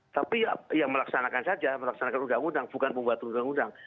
tapi ya melaksanakan saja melaksanakan undang undang bukan membuat undang undang